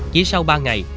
chỉ sau ba ngày